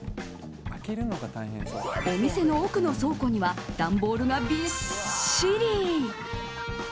お店の奥の倉庫には段ボールがびっしり。